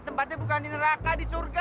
tempatnya bukan di neraka di surga